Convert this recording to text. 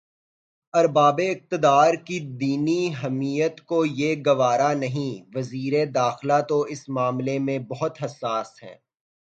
ارباب اقتدارکی دینی حمیت کو یہ گوارا نہیں وزیر داخلہ تو اس معاملے میں بہت حساس ہیں۔